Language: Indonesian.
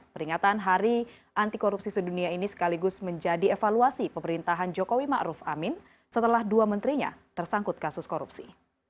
peringatan hari anti korupsi sedunia ini sekaligus menjadi evaluasi pemerintahan jokowi ⁇ maruf ⁇ amin setelah dua menterinya tersangkut kasus korupsi